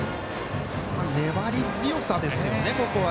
粘り強さですよね、ここは。